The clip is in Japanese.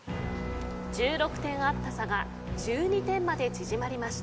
１６点あった差が１２点まで縮まりました。